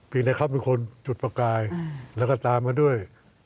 ในเขาเป็นคนจุดประกายแล้วก็ตามมาด้วย